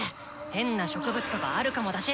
変な植物とかあるかもだし！